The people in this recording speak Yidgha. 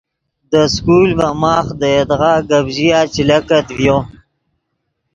دے سکول ڤے ماخ دے یدغا گپ ژیا چے لکت ڤیو